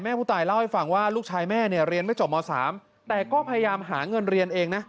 ผู้ตายเล่าให้ฟังว่าลูกชายแม่เนี่ยเรียนไม่จบม๓แต่ก็พยายามหาเงินเรียนเองนะ